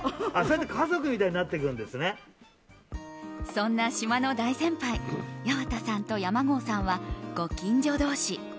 そんな島の大先輩・八幡さんと山郷さんはご近所同士。